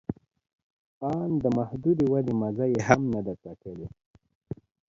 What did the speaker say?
آن د محدودې ودې مزه یې هم نه ده څکلې